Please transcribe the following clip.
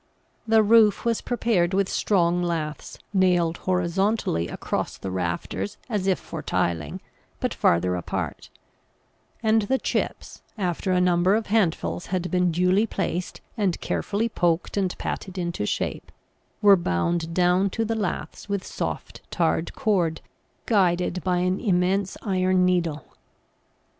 The roof was prepared with strong laths nailed horizontally across the rafters as if for tiling, but farther apart; and the chips, after a number of handfuls had been duly placed and carefully poked and patted into shape, were bound down to the laths with soft tarred cord guided by an immense iron needle.